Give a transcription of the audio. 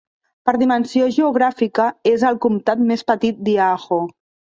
Per dimensió geogràfica, és el comtat més petit d'Idaho.